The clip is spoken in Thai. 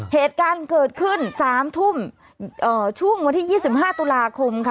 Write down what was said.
เหตุการณ์เกิดขึ้น๓ทุ่มช่วงวันที่๒๕ตุลาคมค่ะ